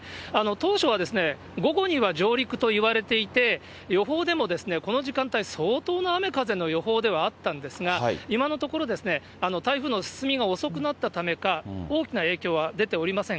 当初は午後には上陸といわれていて、予報でもこの時間帯、相当な雨風の予報ではあったんですが、今のところ、台風の進みが遅くなったためか、大きな影響は出ておりません。